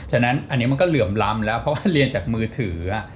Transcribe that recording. ฉะนั้นอันนี้มันก็เหลื่อมล้ำแล้วเพราะว่าเรียนจากมือถือ